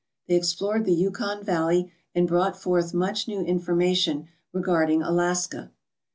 They explored the Yukon Valley and brought forth much new information regarding Alaska.